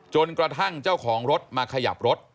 จนกระทั่งเจ้าของรถมาขยับรถ